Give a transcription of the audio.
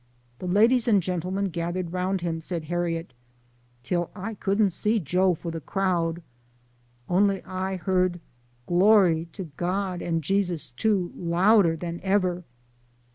" The ladies and gentlemen gathered round him," said Harriet, " till I couldn't see Joe for the crowd, only I heard ' Glory to God and Jesus too !' louder than ever."